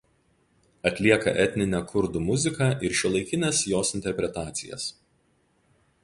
Atlieka etninę kurdų muziką ir šiuolaikines jos interpretacijas.